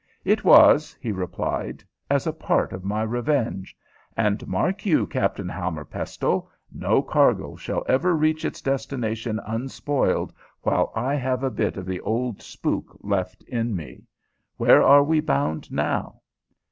"It was," he replied "as a part of my revenge. And, mark you, Captain Hammerpestle, no cargo shall ever reach its destination unspoiled while I have a bit of the old spook left in me. Where are we bound now?"